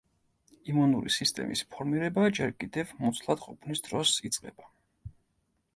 იმუნური სისტემის ფორმირება ჯერ კიდევ მუცლადყოფნის დროს იწყება.